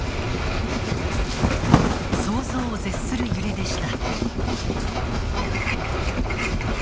想像を絶する揺れでした。